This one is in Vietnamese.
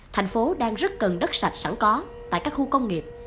thành phố đang rất cần đất sạch sẵn có tại các khu công nghiệp